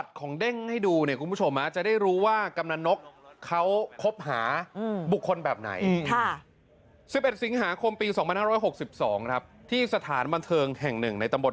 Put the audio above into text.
ทีนี้ชาวบ้านในตำบดตากล้องเนี่ยนะเขาบอกว่าอ๋อเด้งอ่ะเหรอ